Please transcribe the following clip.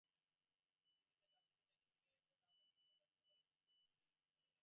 তিনি যে কাশীতে যাইতেছিলেন এ কথা এক দমে যোগেন্দ্রের কাছে বলিতে সংকুচিত হইলেন।